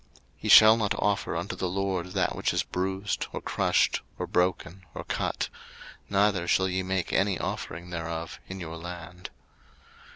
03:022:024 Ye shall not offer unto the LORD that which is bruised, or crushed, or broken, or cut; neither shall ye make any offering thereof in your land.